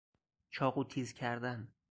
چاقو تیز کردن